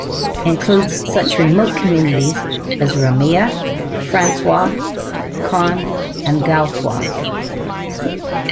Includes such remote communities as Ramea, Francois, Conne and Gaultois.